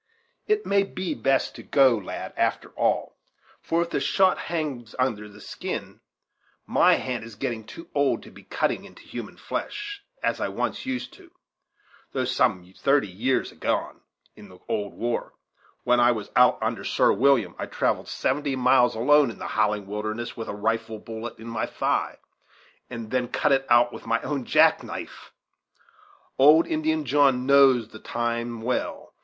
"It may be best to go, lad, after all; for, if the shot hangs under the skin, my hand is getting too old to be cutting into human flesh, as I once used to, Though some thirty years agone, in the old war, when I was out under Sir William, I travelled seventy miles alone in the howling wilderness, with a rifle bullet in my thigh, and then cut it out with my own jack knife. Old Indian John knows the time well.